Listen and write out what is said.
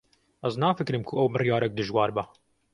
Ez nafikirim ku ew biryarek dijwar be.